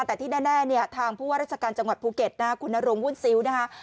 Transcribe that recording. แต่ที่แน่เนี่ยทางผู้ว่าราชการจังหวัดภูเก็ตนะคุณนรงวุ่นซิ้วนะคะ